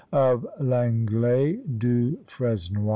OF LENGLET DU FRESNOY.